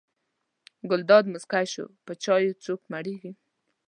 ګلداد موسکی شو: په چایو څوک مړېږي.